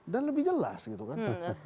dan lebih jelas gitu kan